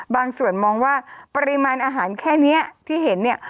บางส่วนมองว่าปริมาณอาหารแค่นี้ที่เห็นเนี่ย